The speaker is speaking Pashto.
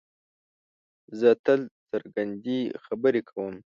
زه تل څرګندې خبرې کوم.